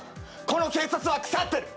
この警察は腐ってる？